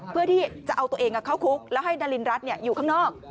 เพื่อที่จะเอาตัวเองเข้าคุกแล้วให้ดารินรัฐอยู่ข้างนอก